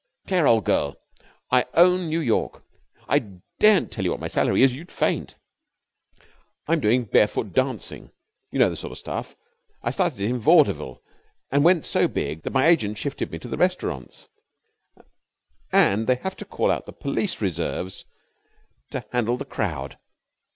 Claire, old girl, I own New York. I daren't tell you what my salary is. You'd faint. I'm doing barefoot dancing. You know the sort of stuff. I started it in vaudeville, and went so big that my agent shifted me to the restaurants, and they have to call out the police reserves to handle the crowd.